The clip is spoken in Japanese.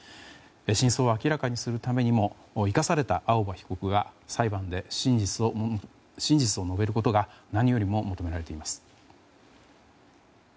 真相を明らかにするためにも生かされた青葉被告が裁判で真実を述べることが何よりも求められています。